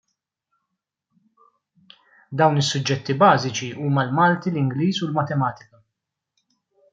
Dawn is-suġġetti bażiċi huma l-Malti, l-Ingliż u l-Matematika.